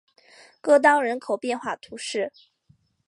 戈当人口变化图示